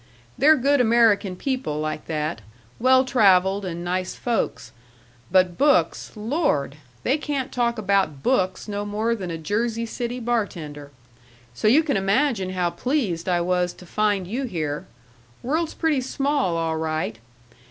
They're good American people like that, well traveled and nice folks. But books Lord! they can't talk about books no more than a Jersey City bartender. So you can imagine how pleased I was to find you here.... World's pretty small, all right.